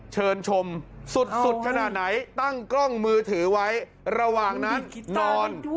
เชิญชมสุดขนาดไหนตั้งกล้องมือถือไว้ระหว่างนั้นนอน